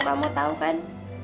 kamu tau kan